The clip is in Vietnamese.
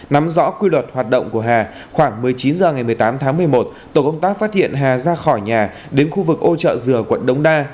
nắm rõ quy luật hoạt động của hà khoảng một mươi chín h ngày một mươi tám tháng một mươi một tổ công tác phát hiện hà ra khỏi nhà đến khu vực ô trợ dừa quận đống đa